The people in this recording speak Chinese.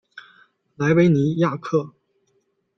莱维尼亚克。